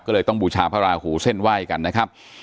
ก็เลยต้องบูชาพระราหูเส้นไหว้กันนะครับ